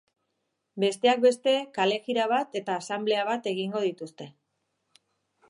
Besteak beste, kalejira bat eta asanblea bat egingo dituzte.